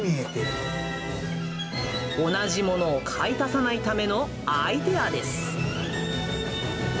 同じものを買い足さないためのアイデアです。